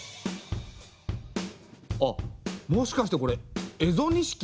あっもしかしてこれ蝦夷錦？